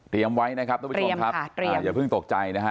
ไว้นะครับทุกผู้ชมครับอย่าเพิ่งตกใจนะฮะ